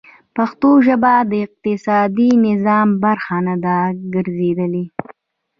پښتو ژبه د اقتصادي نظام برخه نه ده ګرځېدلې.